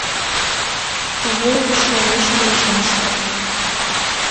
Вуйым шереш мончаште.